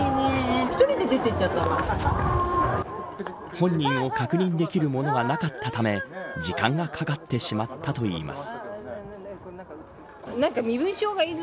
本人を確認できるものがなかったため時間がかかってしまったといいます。